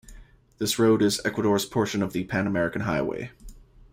This road is Ecuador's portion of the Pan-American Highway.